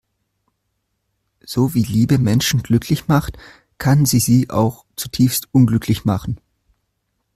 So wie Liebe Menschen glücklich macht, kann sie sie auch zutiefst unglücklich machen.